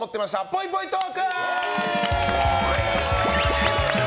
ぽいぽいトーク。